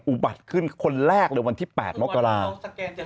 อุบัติขึ้นคนแรกหรือวันที่๘มกราศาสตร์